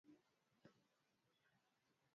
La mama li tamu.